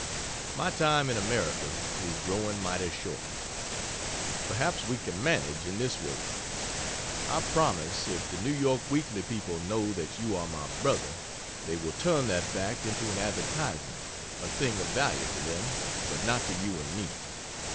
My time in America is growing mighty short. Perhaps we can manage in this way: Imprimis, if the N. Y. Weekly people know that you are my brother, they will turn that fact into an advertisement a thing of value to them, but not to you and me.